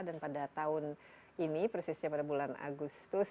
dan pada tahun ini persisnya pada bulan agustus